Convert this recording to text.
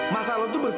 masalah lu tuh banyak